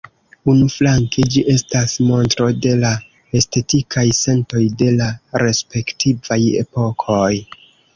Unuflanke ĝi estas montro de la estetikaj sentoj de la respektivaj epokoj.